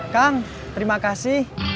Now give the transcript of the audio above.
kang terima kasih